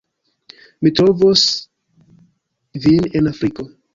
Mi trovos vin en Afriko